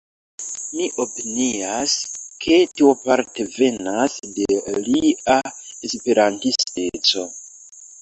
Mi opinias, ke tio parte venas de lia Esperantisteco